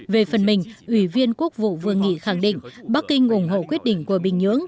về phần mình ủy viên quốc vụ vương nghị khẳng định bắc kinh ủng hộ quyết định của bình nhưỡng